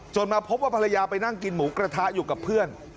มาพบว่าภรรยาไปนั่งกินหมูกระทะอยู่กับเพื่อน